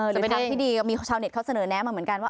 จะเป็นดังที่ดีก็มีชาวเน็ตเขาเสนอแนะมาเหมือนกันว่า